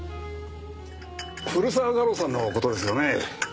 古澤画廊さんの事ですよね。